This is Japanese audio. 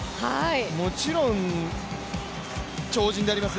もちろん、超人であります